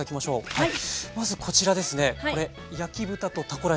はい。